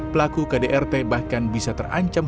pelaku kdrt bahkan bisa terancam